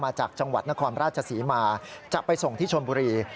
จากจังหวัดนครราชศรีมาจะไปส่งที่ชนบุรี